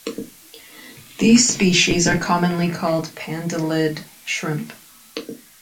These species are commonly called pandalid shrimp.